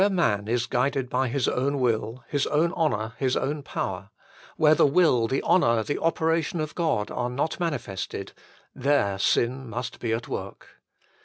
Where man is guided by his own will, his own honour, his own power ; where the will, the honour, the opera tion of God are not manifested, there sin must be at work.